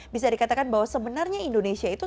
bisa dikatakan bahwa sebenarnya indonesia itu